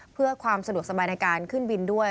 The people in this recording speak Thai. เพื่อความสะดวกสบายในการขึ้นบินด้วย